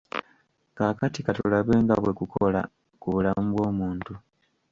Kaakati ka tulabe nga bwe kukola ku bulamu bw'omuntu.